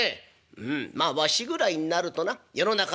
「うんまあわしぐらいになるとな世の中の